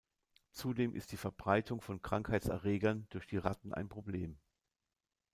Zudem ist die Verbreitung von Krankheitserregern durch die Ratten ein Problem.